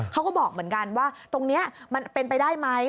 เขาก็บอกเหมือนกันว่าตรงนี้มันเป็นไปได้ไหม